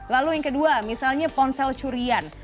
lalu yang kedua misalnya ponsel curian